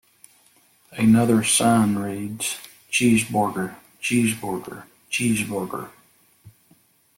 Another sign reads: Cheezborger, Cheezborger, Cheezborger.